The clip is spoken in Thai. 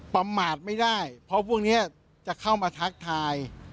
ประมาทไม่ได้เพราะพวกนี้จะเข้ามาทักทาย